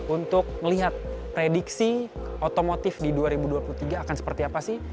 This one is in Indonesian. untuk melihat prediksi otomotif di dua ribu dua puluh tiga akan seperti apa sih